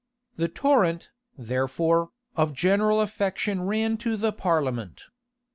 The torrent, therefore, of general affection ran to the parliament.